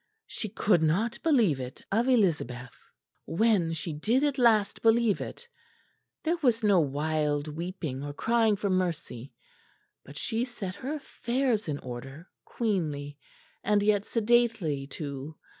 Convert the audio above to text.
She could not believe it of Elizabeth. "When she did at last believe it, there was no wild weeping or crying for mercy; but she set her affairs in order, queenly, and yet sedately too.